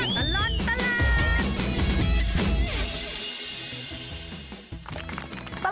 ชั่วตลอดตลาด